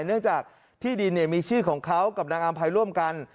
เนื่องจากที่ดินมีชื่อของเขากับนางอำภัยร่วมกัน